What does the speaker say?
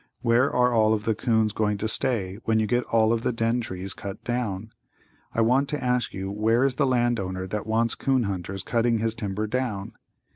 Where are all of the 'coons going to stay when you get all of the den trees cut down? I want to ask you where is the land owner that wants 'coon hunters cutting his timber down?